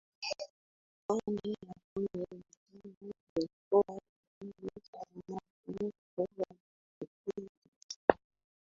Karne ya kumi na tano ilikuwa kipindi cha umotomoto wa pekee katika